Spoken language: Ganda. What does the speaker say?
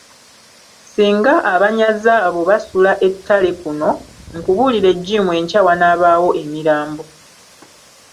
Singa abanyazi abo basula ettale kuno, nkubuulire Jim enkya wanaabaawo emirambo.